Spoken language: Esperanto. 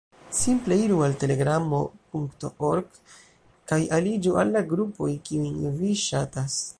Simple iru al telegramo.org kaj aliĝu al la grupoj, kiujn vi ŝatas.